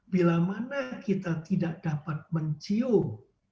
bila mana kita tidak dapat mencium